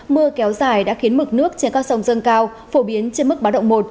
mưa kéo dài đã khiến mực nước trên các sông dâng cao phổ biến trên mức báo động một